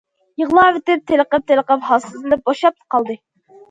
يىغلاۋېتىپ، تېلىقىپ- تېلىقىپ ھالسىزلىنىپ بوشاپلا قالدى.